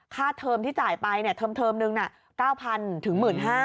ค่าเทอมที่จ่ายไปเทอมหนึ่ง๙๐๐๐๑๕๐๐๐